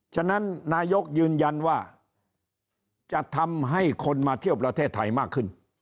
ฉะนั้นนายกยืนยันว่าจะทำให้คนมาเที่ยวประเทศไทยมากขึ้น